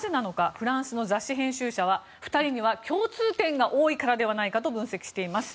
フランスの雑誌編集者は２人には共通点が多いからではないかと分析しています。